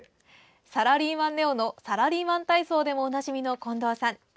「サラリーマンＮＥＯ」のサラリーマン体操でもおなじみの近藤さん。